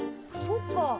そっか。